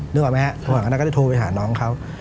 นึกออกไหมฮะโทรหากันแล้วก็ได้โทรไปหาน้องเขา